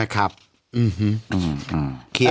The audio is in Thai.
คือ